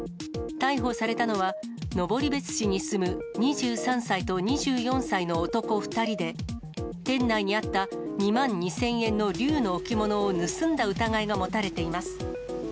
逮捕されたのは、登別市に住む２３歳と２４歳の男２人で、店内にあった２万２０００円の龍の置物を盗んだ疑いが持たれています。